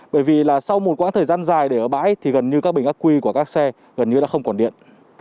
bởi vì là sau một quãng thời gian dài để ở bãi thì gần như các bình ác quy của các xe gần như đã không còn điện